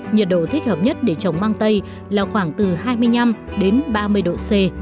nhiệt độ thích hợp nhất để trồng mang tây là khoảng từ hai mươi năm đến ba mươi độ c